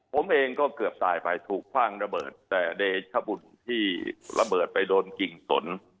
ผมเองก็เกือบตายไปถูกคว่างระเบิดแต่เดชบุญที่ระเบิดไปโดนกิ่งสน